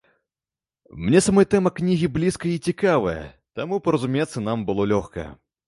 Мне самой тэма кнігі блізкая і цікавая, таму паразумецца нам было лёгка.